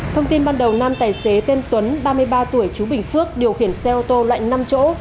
thông tin ban đầu nam tài xế tên tuấn ba mươi ba tuổi chú bình phước điều khiển xe ô tô loại năm chỗ